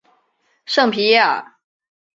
圣皮耶尔。